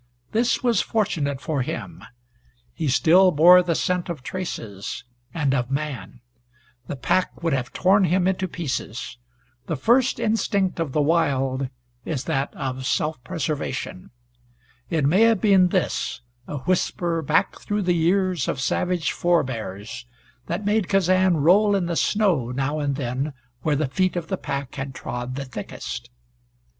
This was fortunate for him. He still bore the scent of traces, and of man. The pack would have torn him into pieces. The first instinct of the wild is that of self preservation. It may have been this, a whisper back through the years of savage forebears, that made Kazan roll in the snow now and then where the feet of the pack had trod the thickest.